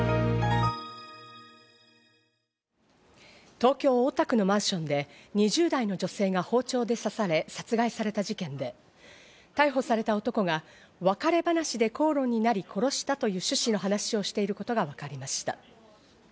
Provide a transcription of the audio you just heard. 東京・大田区のマンションで２０代の女性が包丁で刺され殺害された事件で、逮捕された男が、別れ話で口論になり殺したという趣旨の話をしていることがわかりました。